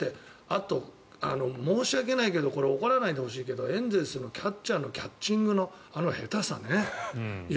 あと、申し訳ないけどこれ、怒らないでほしいけどエンゼルスのキャッチャーのキャッチングの下手さね。